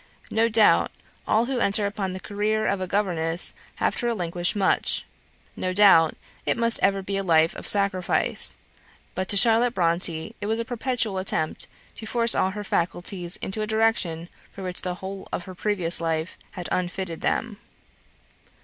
No doubt, all who enter upon the career of a governess have to relinquish much; no doubt, it must ever be a life of sacrifice; but to Charlotte Bronte it was a perpetual attempt to force all her faculties into a direction for which the whole of her previous life had unfitted them.